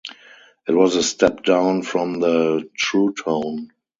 It was a step down from the Truetone.